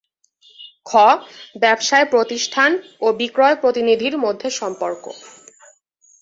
খ. ব্যবসায় প্রতিষ্ঠান ও বিক্রয় প্রতিনিধির মধ্যে সম্পর্ক